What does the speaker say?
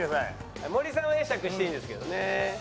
森さんは会釈していいんですけどね。